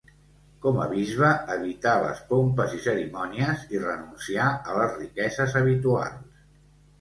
Com a bisbe, evità les pompes i cerimònies, i renuncià a les riqueses habituals.